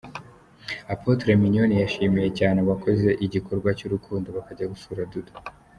Apotre Mignone yashimiye cyane abakoze igikorwa cy'urukundo bakajya gusura Dudu.